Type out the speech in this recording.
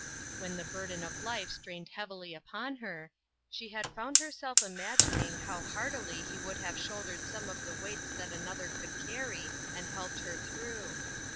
When the burden of life strained heavily upon her, she had found herself imagining how heartily he would have shouldered some of the weights that another could carry, and helped her through.